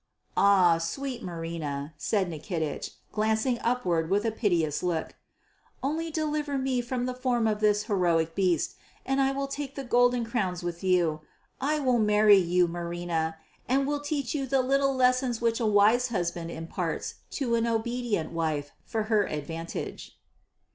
"Ah, sweet Marina," said Nikitich, glancing upward with a piteous look, "only deliver me from the form of this heroic beast and I will take the golden crowns with you. I will marry you, Marina, and will teach you the little lessons which a wise husband imparts to an obedient wife for her advantage."